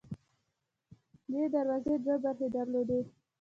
دې دروازې دوه برخې درلودې.